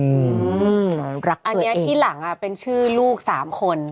อืมอันนี้ที่หลังเป็นชื่อลูก๓คน